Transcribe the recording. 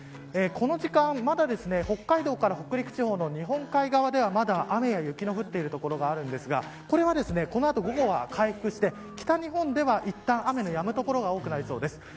この時間、まだ北海道から北陸地方の日本海側では雨や雪の降っている所があるんですがこれはこのあと午後は回復して北日本では、いったん雨のやむ所が多くなりそうです。